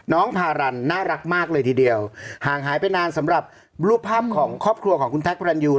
พารันน่ารักมากเลยทีเดียวห่างหายไปนานสำหรับรูปภาพของครอบครัวของคุณแท็กพระรันยู